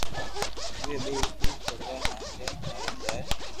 اووي ٻيئي اسڪول پپڙيا ھارين جائي